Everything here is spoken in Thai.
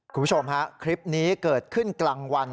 คุณผู้ชมฮะคลิปนี้เกิดขึ้นกลางวัน